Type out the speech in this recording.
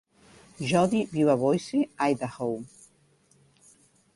Jodi viu a Boise, Idaho.